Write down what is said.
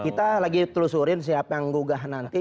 kita lagi telusurin siapa yang gugah nanti